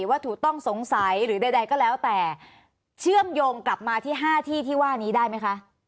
วัตถุต้องสงสัยหรือใดก็แล้วแต่เชื่อมโยงกลับมาที่๕ที่ที่ว่านี้ได้ไหมคะ